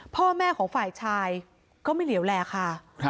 พ่อแม่ของฝ่ายชายก็ไม่เหลวแลค่ะ